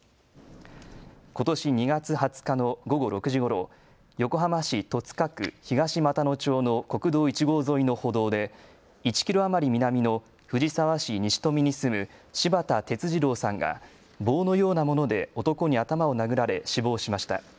ことし２月２０日の午後６時ごろ、横浜市戸塚区東俣野町の国道１号沿いの歩道で１キロ余り南の藤沢市西富に住む柴田哲二郎さんが棒のようなもので男に頭を殴られ死亡しました。